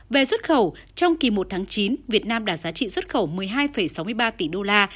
về xuất khẩu trong kỳ một tháng chín việt nam đạt giá trị xuất khẩu một mươi hai sáu mươi ba tỷ đô la